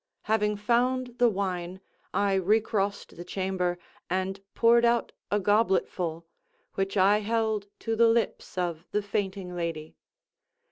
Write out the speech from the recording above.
Having found the wine, I recrossed the chamber, and poured out a gobletful, which I held to the lips of the fainting lady.